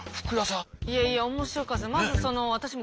いやいや面白かったです。